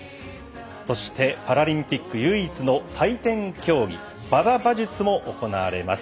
そして、パラリンピック唯一の採点競技馬場馬術も行われます。